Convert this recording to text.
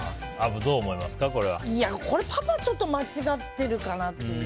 これはパパがちょっと間違ってるかなと。